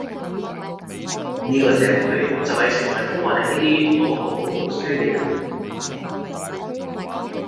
呢個社會就係懲罰緊我哋呢啲冇好好讀書嘅人